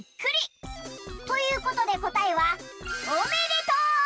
ということでこたえは「おめでとう！」。